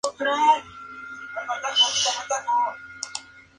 Nuevos materiales pueden hacer aún más efectivos los colectores.